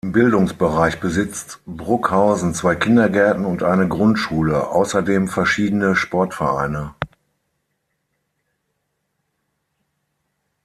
Im Bildungsbereich besitzt Bruckhausen zwei Kindergärten und eine Grundschule, außerdem verschiedene Sportvereine.